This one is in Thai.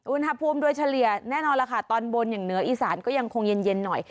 อุณหภูมิโดยเฉลี่ยแน่นอนล่ะค่ะตอนบนอย่างเหนืออีสานก็ยังคงเย็นหน่อย